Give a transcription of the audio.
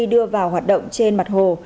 đưa vào hoạt động trên mặt hồ